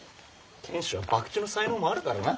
賢秀は博打の才能もあるからな。